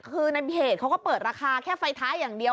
คือในเพจเขาก็เปิดราคาแค่ไฟท้ายอย่างเดียว